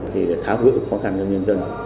thì tháo gỡ khó khăn cho nhân dân